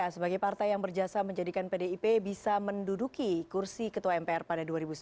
sebagai partai yang berjasa menjadikan pdip bisa menduduki kursi ketua mpr pada dua ribu sembilan belas